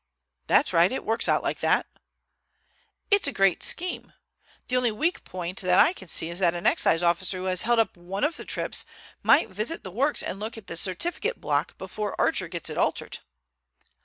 "That's right. It works out like that." "It's a great scheme. The only weak point that I can see is that an Excise officer who has held up one of the trips might visit the works and look at the certificate block before Archer gets it altered."